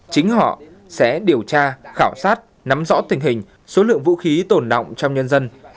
chính họ sẽ điều tra khảo sát nắm rõ tình hình số lượng vũ khí tổn động trong nhân dân